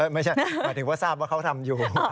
หมายถึงว่าทราบว่าเขาทำอยู่